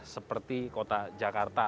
seperti kota jakarta